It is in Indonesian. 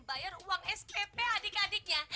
bayar uang spp adik adiknya